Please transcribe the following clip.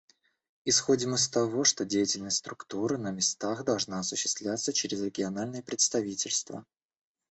Исходим из того, что деятельность Структуры на местах должна осуществляться через региональные представительства.